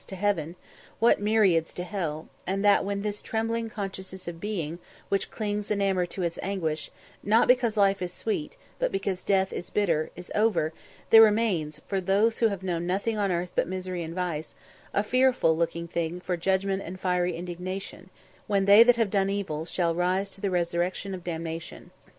to heaven what myriads to hell; and that, when "this trembling consciousness of being, which clings enamoured to its anguish," not because life is sweet, but because death is bitter, is over, there remains, for those who have known nothing on earth but misery and vice, "a fearful looking for of judgment and fiery indignation," when they that have done evil "shall rise to the resurrection of damnation."